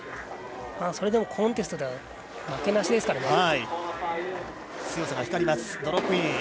それでもコンテストでは負けなしですから。